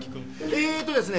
えーっとですね